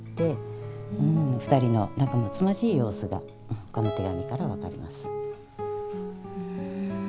２人の仲むつまじい様子がこの手紙から分かります。